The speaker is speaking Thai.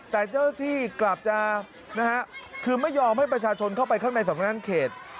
แต่เจ้าหน้าที่กลับจะนะฮะคือไม่ยอมให้ประชาชนเข้าไปข้างในสำนักงานเขต